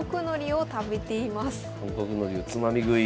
韓国のりをつまみ食い。